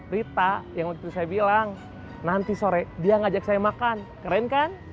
rita yang waktu itu saya bilang nanti sore dia ngajak saya makan keren kan